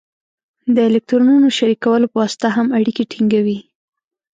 د الکترونونو شریکولو په واسطه هم اړیکې ټینګوي.